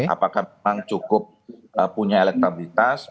apakah memang cukup punya elektabilitas